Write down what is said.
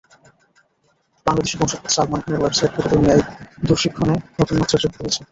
বাংলাদেশি বংশোদ্ভূত সালমান খানের ওয়েবসাইট গোটা দুনিয়ায় দূরশিক্ষণে নতুন মাত্রা যোগ করেছে।